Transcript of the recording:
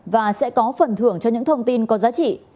và sẽ có phần thưởng cho những thông tin có giá trị